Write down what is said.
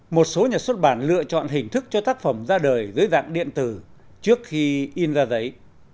một số nhà xuất bản lựa chọn hình thức cho tác phẩm ra đời dưới dạng điện tử trước khi in ra giấy